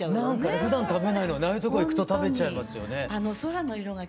ふだん食べないのにああいうとこ行くと食べちゃいますよね。